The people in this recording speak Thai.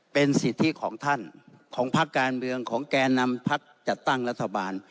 เป็นสิทธิของท่านของพักการเมืองของแก่นำพักจัดตั้งรัฐบาล